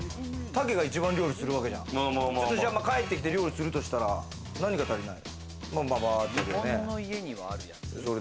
帰ってきて料理するとしたら何が足りない？